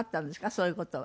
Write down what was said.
そういう事は。